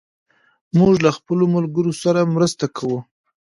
موږ له خپلو ملګرو سره مرسته کوو.